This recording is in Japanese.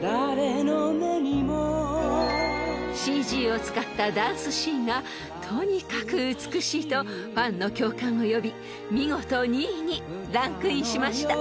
［ＣＧを使ったダンスシーンがとにかく美しいとファンの共感を呼び見事２位にランクインしました］